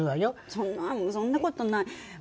そんなそんな事ない。